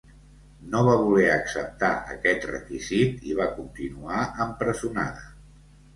No va voler acceptar aquest requisit i va continuar empresonada.